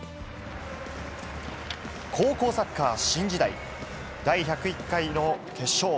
高校サッカー新時代、第１０１回の決勝。